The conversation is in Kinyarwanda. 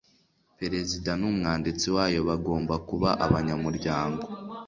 perezida n’umwanditsi wayo bagomba kuba abanyamuryango